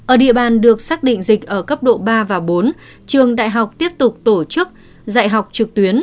ở địa bàn được xác định dịch ở cấp độ ba và bốn trường đại học tiếp tục tổ chức dạy học trực tuyến